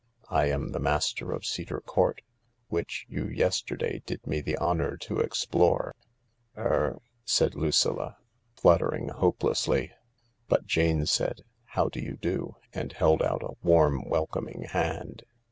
I am the master of Cedar Court, which you yesterdajl did me the honour to explore." " Er ..." said Lucilla, fluttering hopelessly. But Jane said, " How do you do ?" and held out a warm, welcoming hand.